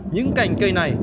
những cành cây này